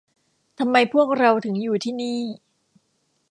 ทำไมพวกเราถึงอยู่ที่นี่ ?